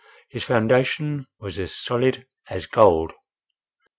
His foundation was as solid as gold.